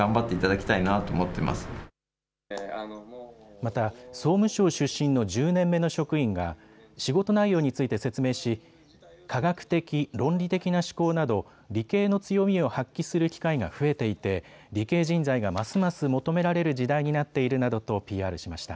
また、総務省出身の１０年目の職員が仕事内容について説明し、科学的・論理的な思考など理系の強みを発揮する機会が増えていて理系人材がますます求められる時代になっているなどとＰＲしました。